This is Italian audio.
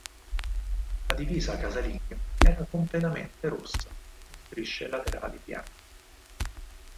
La divisa casalinga era completamente rossa, con strisce laterali bianche.